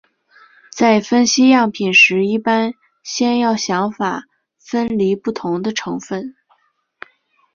在分析样品时一般先要想法分离不同的成分。